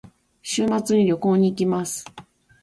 週末に旅行に行きます。